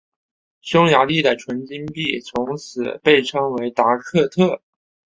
匈牙利的纯金币从此被称为达克特。